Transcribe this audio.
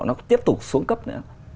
nó tiếp tục xuống cấp nữa